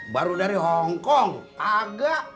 baru dari hongkong kagak